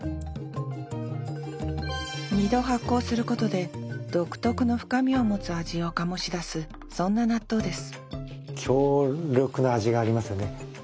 ２度発酵することで独特の深みを持つ味を醸し出すそんな納豆です